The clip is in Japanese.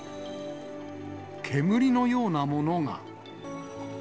煙のようなものが。